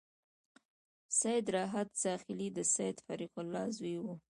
سید راحت زاخيلي د سید فریح الله زوی و.